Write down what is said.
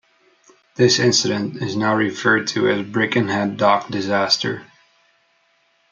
This incident is now referred to as the Birkenhead Dock Disaster.